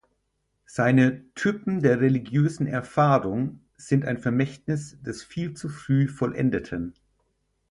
Seine "Typen der Religiösen Erfahrung" sind ein Vermächtnis des viel zu früh Vollendeten.